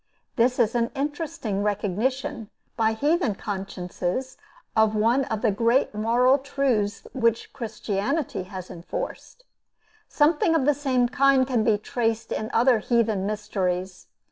This is an interesting recognition, by heathen consciences, of one of the greatest moral truths which Christianity has enforced. Something of the same kind can be traced in other heathen mysteries.